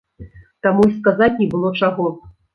Таму і сказаць не было чаго.